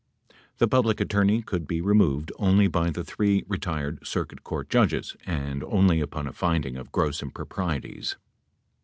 The Public Attorney could be removed only by the three retired circuit court judges and only upon a finding of gross improprieties.